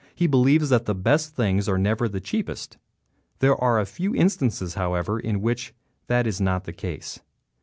He believes that the best things are never cheapest. There are a few instances however in which that is not the case.